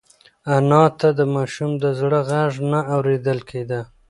انا ته د ماشوم د زړه غږ نه اورېدل کېده.